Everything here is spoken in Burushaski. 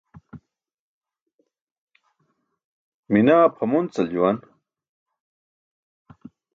Minaa pʰamoncal juwan.